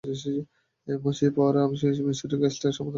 মসিয়ে Poirot, আপনি মিশরের কেসটার সমাধান করেছেন!